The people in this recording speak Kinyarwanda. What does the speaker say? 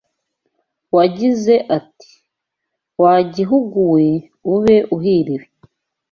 wagize ati: ‘Wa gihugu we, ube uhiriwe